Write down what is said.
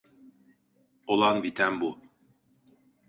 Olan biten bu.